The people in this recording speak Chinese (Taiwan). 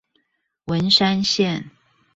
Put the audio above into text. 文山線